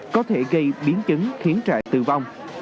có thể gây biến chứng khiến trẻ tử vong